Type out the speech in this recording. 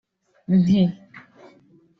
nti